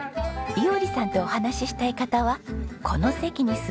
衣織さんとお話ししたい方はこの席に座ります。